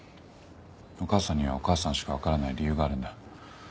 お母さんにはお母さんしか分からない理由があるんだ。